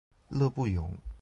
勒布永。